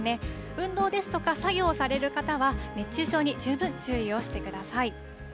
運動ですとか、作業をされる方は、熱中症に十分注意をしてください。